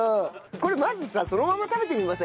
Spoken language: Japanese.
これまずさそのまま食べてみませんか？